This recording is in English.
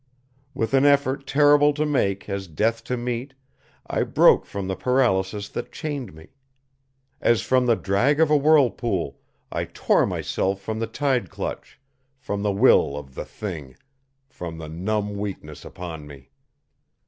With an effort terrible to make as death to meet, I broke from the paralysis that chained me. As from the drag of a whirlpool, I tore myself from the tide clutch, from the will of the Thing, from the numb weakness upon me.